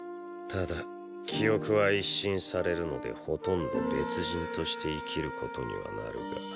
ただ記憶は一新されるのでほとんど別人として生きることにはなるが。